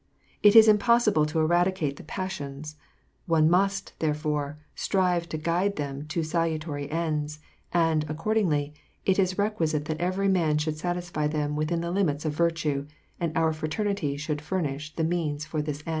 It is impossible to eradicate the passions ; one must, therefore, strive to guide them to salutary ends ; and, accordingly, it is requisite that every man should satisfy them within the limits of virtue, and our Fraternity should furnish the means for this end, vol..